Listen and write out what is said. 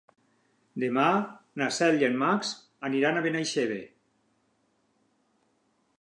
Demà na Cel i en Max aniran a Benaixeve.